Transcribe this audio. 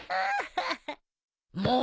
もう！